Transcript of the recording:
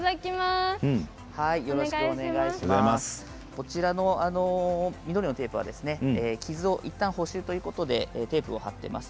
こちらの緑のテープは傷をいったん補修ということでテープを貼っています。